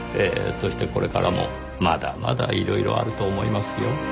そしてこれからもまだまだ色々あると思いますよ。